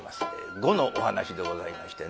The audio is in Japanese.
碁のお噺でございましてね。